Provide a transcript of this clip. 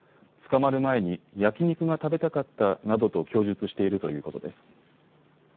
捕まる前に焼き肉が食べたかったなどと供述しているということです。